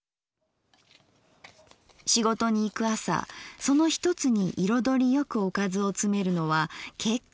仕事に行く朝その一つに彩りよくおかずをつめるのは結構楽しい。